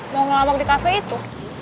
mau ngelabak di cafe itu